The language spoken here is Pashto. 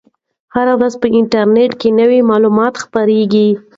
هره ورځ په انټرنیټ کې نوي معلومات خپریږي.